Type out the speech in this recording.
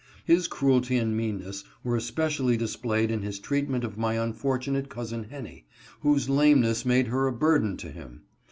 His cruelty and meanness were es pecially displayed in his treatment of my unfortunate cousin Henny, whose lameness made her a burden to him.